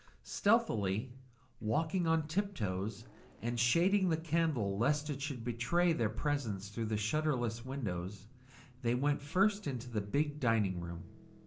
Stealthily, walking on tip toe and shading the candle lest it should betray their presence through the shutterless windows, they went first into the big dining room.